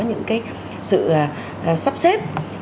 những cái sự sắp xếp